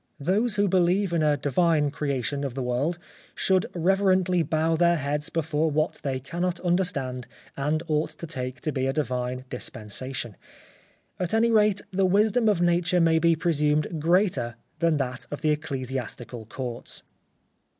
Those who believe in a Divine Creation of the world should reverently bow their heads before what they cannot understand and ought to take to be a divine dispensation. At any rate, the wisdom of Nature may be presumed greater than that of the Ecclesiastical Courts.